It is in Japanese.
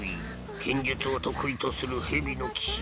剣術を得意とするヘビの騎士